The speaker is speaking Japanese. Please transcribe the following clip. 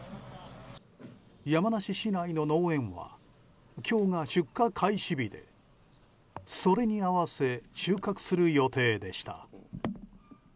山梨市内の農園は今日が出荷開始日でそれに合わせ収穫する予定でした。